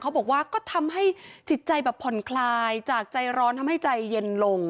บอกว่าก็ทำให้จิตใจแบบผ่อนคลายจากใจร้อนทำให้ใจเย็นลง